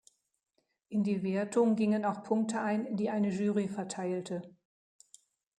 In die Wertung gingen auch Punkte ein, die eine Jury verteilte.